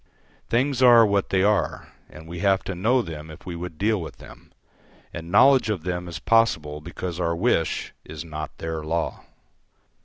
Things are what they are, and we have to know them if we would deal with them, and knowledge of them is possible because our wish is not their law.